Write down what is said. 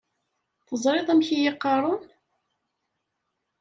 Teẓriḍ amek iyi-qqaren?